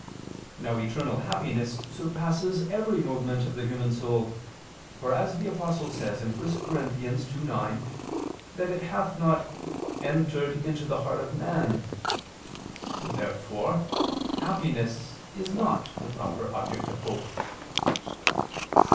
Now eternal happiness surpasses every movement of the human soul, for the Apostle says (1 Cor. 2:9) that it hath not "entered into the heart of man." Therefore happiness is not the proper object of hope.